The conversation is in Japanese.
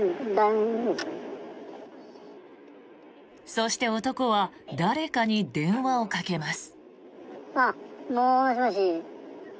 そして男は誰かに電話をかけます。